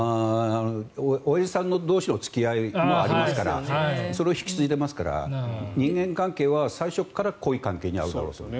おやじさん同士の付き合いもありますからそれを引き継いでますから人間関係は最初から濃い関係にあると思います。